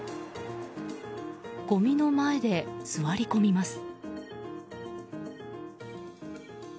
ごみの前で座り込みます。